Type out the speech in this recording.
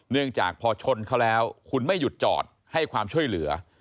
เนื่องจากพอชนเขาแล้วคุณไม่หยุดจอดให้ความช่วยเหลือ